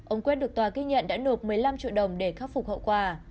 ông quét được tòa ghi nhận đã nộp một mươi năm triệu đồng để khắc phục hậu quả